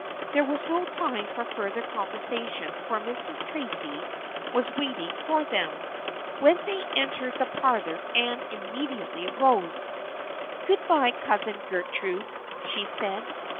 There was no time for further conversation for Mrs. Tracy was waiting for them. When they en tered the parlor Anne immediately rose. " Good bye, Cousin Gertrude," she said.